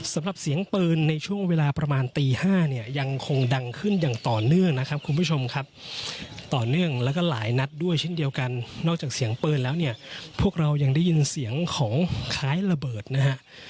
สำหรับเสียงปืนในช่วงเวลาประมาณตี๕เนี่ยยังคงดังขึ้นอย่างต่อเนื่องนะครับคุณผู้ชมครับต่อเนื่องแล้วก็หลายนัดด้วยเช่นเดียวกันนอกจากเสียงปืนแล้วเนี่ยพวกเรายังได้ยินเสียงของคล้ายระเบิดนะฮะ